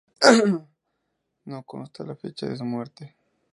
No consta la fecha de su muerte.